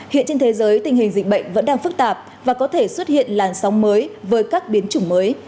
hiện trên thế giới tình hình dịch bệnh vẫn đang phức tạp và có thể xuất hiện làn sóng mới với các biến chủng mới